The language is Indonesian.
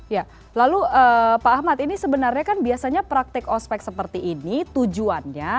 ya lalu pak ahmad ini sebenarnya kan biasanya praktik ospek seperti ini tujuannya